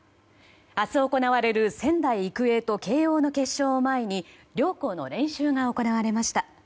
あす、行われる仙台育英と慶應の決勝を前に両校の練習が行われました。